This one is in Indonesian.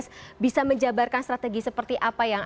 sudah dibuat sedemikian rupa